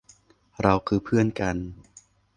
เราคือเพื่อนกัน